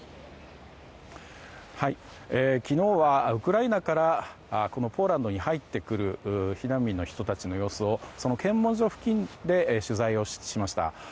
昨日はウクライナからこのポーランドに入ってくる避難民の人たちの様子を検問所付近で取材をしました。